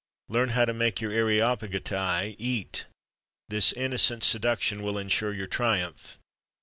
Learn how to make your areopagitæ eat: this innocent seduction will insure your triumph.